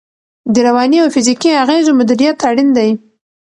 د رواني او فزیکي اغېزو مدیریت اړین دی.